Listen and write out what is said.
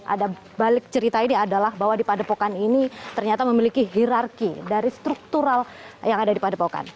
ada balik cerita ini adalah bahwa di padepokan ini ternyata memiliki hirarki dari struktural yang ada di padepokan